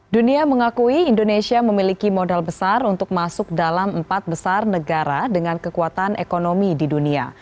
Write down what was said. dunia mengakui indonesia memiliki modal besar untuk masuk dalam empat besar negara dengan kekuatan ekonomi di dunia